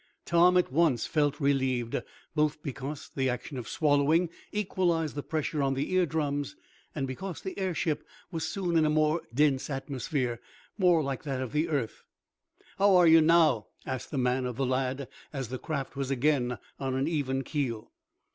Tom at once felt relieved, both because the action of swallowing equalized the pressure on the ear drums, and because the airship was soon in a more dense atmosphere, more like that of the earth. "How are you now?" asked the man of the lad, as the craft was again on an even keel.